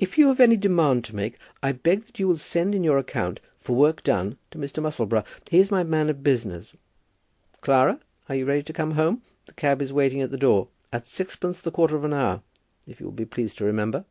"If you have any demand to make, I beg that you will send in your account for work done to Mr. Musselboro. He is my man of business. Clara, are you ready to come home? The cab is waiting at the door, at sixpence the quarter of an hour, if you will be pleased to remember."